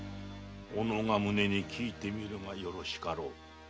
己が胸に聞いてみるがよろしかろう。